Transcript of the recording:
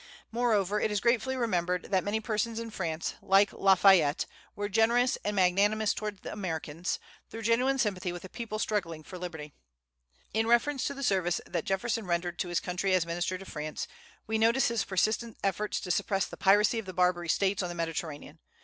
Moreover, it is gratefully remembered that many persons in France, like La Fayette, were generous and magnanimous toward Americans, through genuine sympathy with a people struggling for liberty. In reference to the service that Jefferson rendered to his country as minister to France we notice his persistent efforts to suppress the piracy of the Barbary States on the Mediterranean.